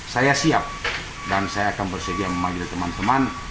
saya siap dan saya akan bersedia memanggil teman teman